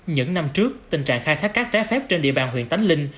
những năm trước tình trạng khai thác cát trái phép trên địa bàn huyện tánh linh